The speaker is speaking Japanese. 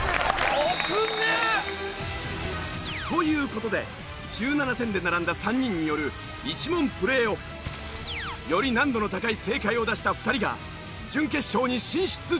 という事で１７点で並んだ３人による１問プレーオフ。より難度の高い正解を出した２人が準決勝に進出できる。